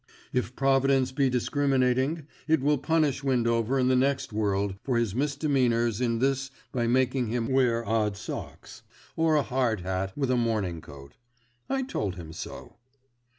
If providence be discriminating it will punish Windover in the next world for his misdemeanours in this by making him wear odd socks, or a hard hat with a morning coat. I told him so.